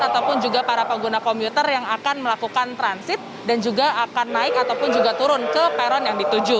ataupun juga para pengguna komuter yang akan melakukan transit dan juga akan naik ataupun juga turun ke peron yang dituju